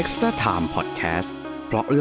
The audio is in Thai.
สวัสดีครับ